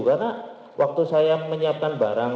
karena waktu saya menyiapkan barang